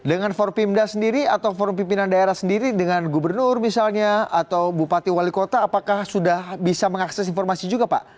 dengan for pimda sendiri atau forum pimpinan daerah sendiri dengan gubernur misalnya atau bupati wali kota apakah sudah bisa mengakses informasi juga pak